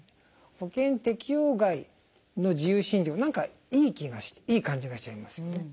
保険適用外の自由診療何かいい気がいい感じがしちゃいますよね。